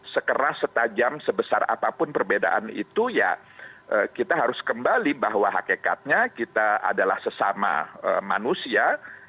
sekeras setajam sebesar apapun perbedaan itu ya kita harus kembali bahwa hakikatnya kita adalah sesama manusia